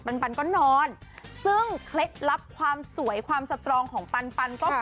ปันก็นอนซึ่งเคล็ดลับความสวยความสตรองของปันปันก็คือ